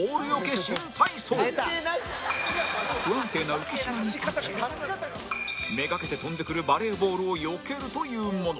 不安定な浮島に立ちめがけて飛んでくるバレーボールをよけるというもの